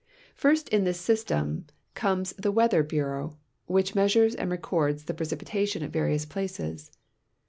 First in this system comes the Weather Bureau, which measures and records the precipitation at various j)laces.